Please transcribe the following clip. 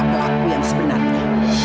pelaku yang sebenarnya